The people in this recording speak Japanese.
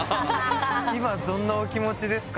今どんなお気持ちですか？